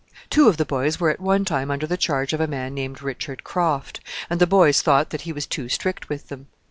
Two of the boys were at one time under the charge of a man named Richard Croft, and the boys thought that he was too strict with them.